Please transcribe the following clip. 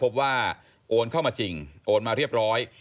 โอนเข้ามาจริงโอนมาเรียบร้อย